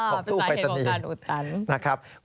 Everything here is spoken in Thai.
เป็นสาเหตุของการอุดตัน